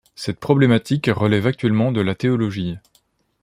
Cette problématique relève actuellement de la théologie.